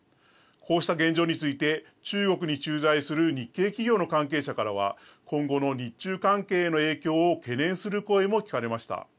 こうした現状について、中国に駐在する日系企業の関係者からは、今後の日中関係への影響を懸念する声も聞かれました。